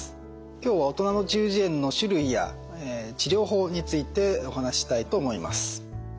今日は大人の中耳炎の種類や治療法についてお話ししたいと思います。